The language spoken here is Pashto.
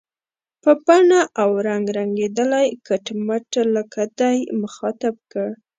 په بڼه او رنګ رنګېدلی، کټ مټ لکه دی، مخاطب کړ.